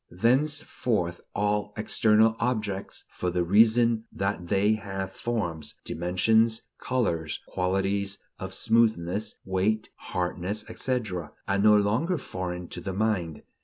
Thenceforth all external objects, for the reason that they have forms, dimensions, colors, qualities of smoothness, weight, hardness, etc., are no longer foreign to the mind.